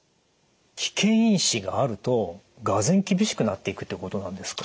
危険因子があるとがぜん厳しくなっていくってことなんですか？